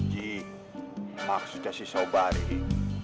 ji maksudnya sih sobar ini